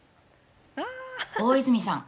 大泉さん